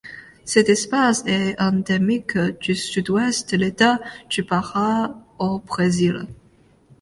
Cette espèce est endémique du Sud-Ouest de l'État du Pará au Brésil.